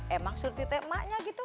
emang surti teh emaknya gitu